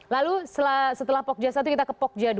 lalu setelah pokja satu kita ke pokja dua